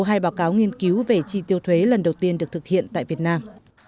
hai báo cáo nghiên cứu về chi tiêu thuế lần đầu tiên được thực hiện tại việt nam